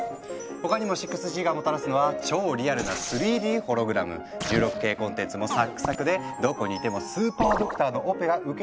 他にも６Ｇがもたらすのは超リアルな３Ｄホログラム１６Ｋコンテンツもサックサクでどこにいてもスーパードクターのオペが受けれちゃう未来なんです。